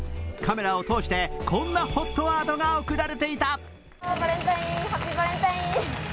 カメラを通してこんなＨＯＴワードが贈られていた。